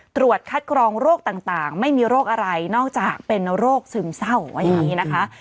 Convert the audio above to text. ตรวจคัดกรองโรคต่างไม่มีโรคอะไรนอกจากเป็นโรคซึมเศร้าว่าอย่างนี้นะคะ